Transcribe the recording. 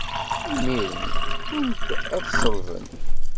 Imiren wwin-t ad t-ṣellben.